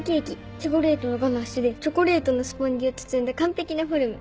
チョコレートのガナッシュでチョコレートのスポンジを包んだ完璧なフォルム。